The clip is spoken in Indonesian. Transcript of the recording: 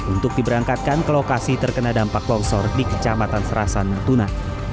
untuk diberangkatkan ke lokasi terkena dampak longsor di kecamatan serasan natuna